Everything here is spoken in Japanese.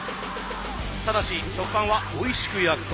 ただし食パンはおいしく焼くこと。